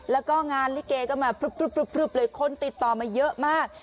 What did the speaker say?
แล้วก็งานลิเกก็มาพลึบเลยคนติดต่อมาเยอะมาก